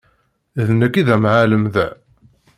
D nekk i d amɛellem da.